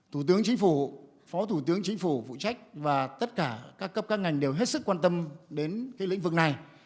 thủ tướng chính phủ phó thủ tướng chính phủ vụ trách và tất cả các cấp các ngành đều hết sức quan tâm đến lĩnh vực này